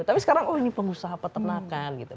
tapi sekarang oh ini pengusaha peternakan gitu